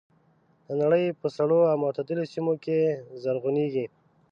د نړۍ په سړو او معتدلو سیمو کې زرغونېږي.